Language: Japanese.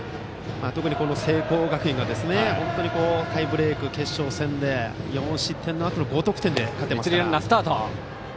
特に聖光学院は本当にタイブレーク決勝戦で４失点のあとの５得点で勝っていますからね。